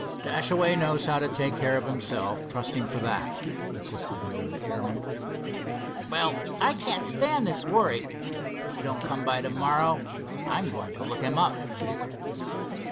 "Dashaway knows how to take care of himself—trust him for that," insisted the old airman. "Well, I can't stand this worry. If he don't come by to morrow, I'm going to look him up."